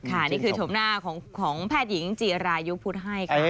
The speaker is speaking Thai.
นี่คือชมหน้าของแพทย์หญิงจีรายุพุทธให้ค่ะ